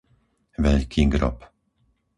Veľký Grob